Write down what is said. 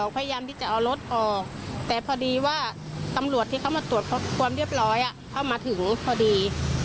พยายามที่จะเอารถออกแต่พอดีว่าตำรวจที่เขามาตรวจความเรียบร้อยเข้ามาถึงพอดี